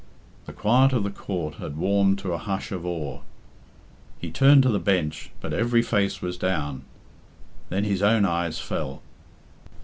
The quiet of the court had warmed to a hush of awe. He turned to the bench, but every face was down. Then his own eyes fell.